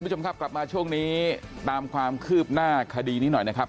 คุณผู้ชมครับกลับมาช่วงนี้ตามความคืบหน้าคดีนี้หน่อยนะครับ